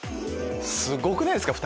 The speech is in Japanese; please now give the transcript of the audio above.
すごくないですか